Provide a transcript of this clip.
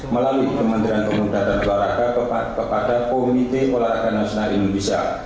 melalui kementerian pemuda dan olahraga kepada komite olahraga nasional indonesia